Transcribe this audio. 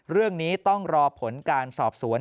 เรื่องนี้ต้องรอผลการสอบสวน